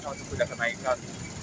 langsung sudah kenaikan